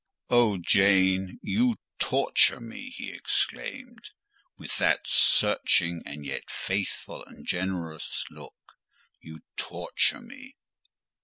"Oh, Jane, you torture me!" he exclaimed. "With that searching and yet faithful and generous look, you torture me!"